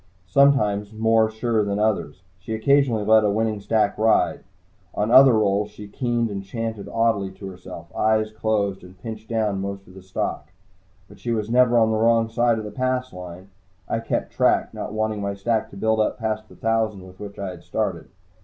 Sometimes more sure than others, she occasionally let a winning stack ride. On other rolls, she keened and chanted oddly to herself, eyes closed, and pinched down most of the stock. But she was never on the wrong side of the "Pass" line. I kept track, not wanting my stack to build up past the thousand with which I had started.